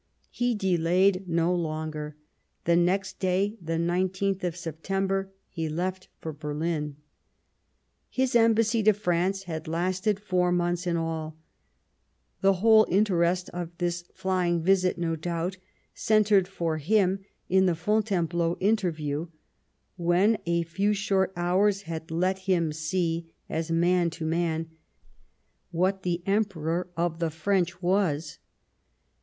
He delayed no longer ; the next day, the 19th of September, he left for Berlin. His Embassy to France had lasted four months in all ; the whole interest of this flying visit, no doubt, centred for him in the Fontainebleau inter view, when a few short hours had let him see — as man to man — ^what the Emperor of the French was.